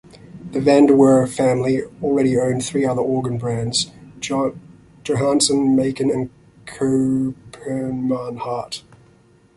The Vandeweerd family already owned three other organ brands: Johannus, Makin and Copeman Hart.